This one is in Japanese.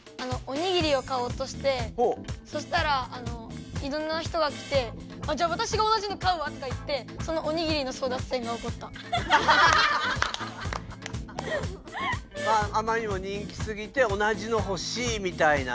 そしたらいろんな人が来てじゃあわたしが同じの買うわとか言ってあまりにも人気すぎて同じのほしいみたいなね。